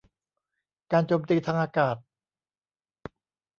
การโจมตีทางอากาศ